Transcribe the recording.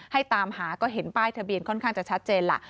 ตามหาก็เห็นป้ายทะเบียนค่อนข้างจะชัดเจนล่ะ